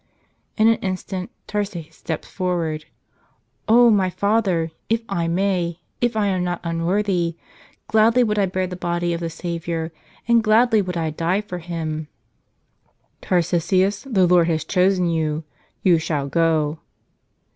In an instant Tarse has stepped forward. "Oh, my Father, if I may, if I am not unworthy, — gladly would I bear the Body of the Savior, and gladly would I die for Him." "Tarsicius, the Lord has chosen you. You shall go."